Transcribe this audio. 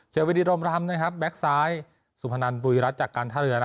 เชียววิดีโรมรัมแบ็คซ้ายสุพันธ์บุรีรัตย์จากการท่าเรือ